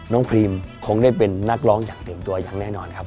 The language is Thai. พรีมคงได้เป็นนักร้องอย่างเต็มตัวอย่างแน่นอนครับ